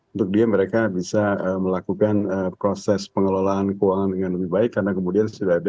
untuk dia mereka bisa melakukan proses pengelolaan keuangan dengan lebih baik karena kemudian sudah ada